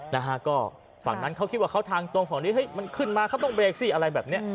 นะฮะก็ฝั่งด้านเขาคิดว่าเขาทางตรงนี่มันขึ้นมาเขาต้องเบรกสิอะไรแบบนี้